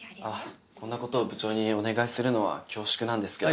こんな事を部長にお願いするのは恐縮なんですけど。